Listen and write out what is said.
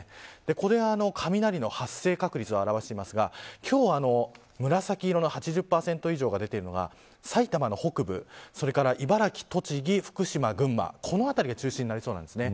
これは雷の発生確率を表していますが今日、紫色の８０％以上が出ているのが埼玉の北部と茨城と栃木と群馬この辺りが中心になりそうです。